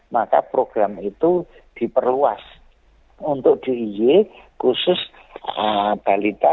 maka program itu diperluas untuk diy khusus balita